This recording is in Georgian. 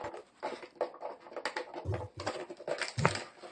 ლიოსა ამჟამად პრინსტონის უნივერსიტეტში მიწვეული პროფესორია.